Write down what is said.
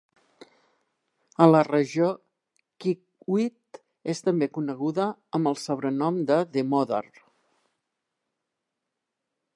A la regió, Kikwit és també coneguda amb el sobrenom de "The Mother".